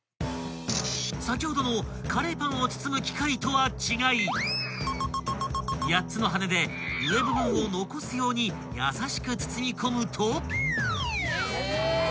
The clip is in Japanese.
［先ほどのカレーパンを包む機械とは違い８つの羽根で上部分を残すように優しく包み込むと］